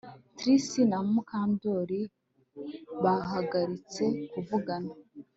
Trix na Mukandoli bahagaritse kuvugana